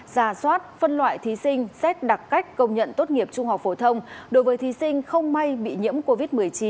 giả soát phân loại thí sinh xét đặc cách công nhận tốt nghiệp trung học phổ thông đối với thí sinh không may bị nhiễm covid một mươi chín